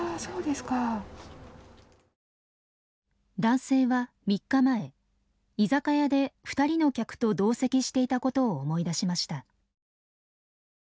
男性は３日前居酒屋で２人の客と同席していたことを思い出しました。